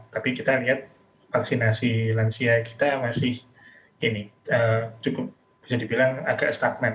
tapi kita lihat vaksinasi lansia kita masih ini cukup bisa dibilang agak stagnan